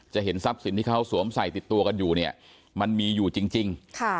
เห็นทรัพย์สินที่เขาสวมใส่ติดตัวกันอยู่เนี่ยมันมีอยู่จริง